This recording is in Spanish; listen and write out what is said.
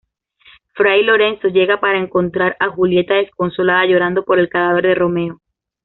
Fray Lorenzo llega para encontrar a Julieta desconsolada llorando por el cadáver de Romeo.